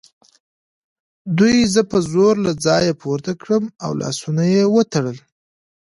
دوی زه په زور له ځایه پورته کړم او لاسونه یې وتړل